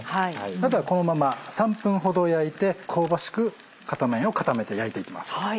あとはこのまま３分ほど焼いて香ばしく片面を固めて焼いていきます。